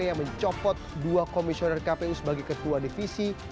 yang mencopot dua komisioner kpu sebagai ketua divisi